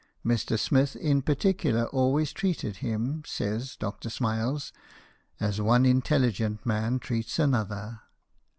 Mr. Smith in particular always treated him, says Dr. Smiles, " as one intelligent man treats another."